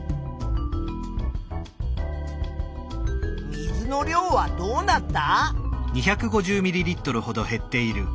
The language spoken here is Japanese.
水の量はどうなった？